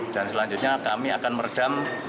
dan selanjutnya kami akan meredam